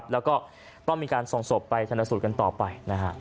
แล้วก็ต้องมีการส่งศพไปชนสูตรกันต่อไป